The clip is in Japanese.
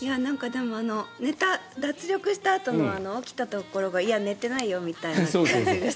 でも、脱力したあとの起きたところがいや、寝てないよみたいな感じがして。